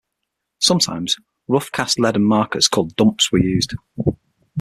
Sometimes rough-cast leaden markers called "dumps" were used.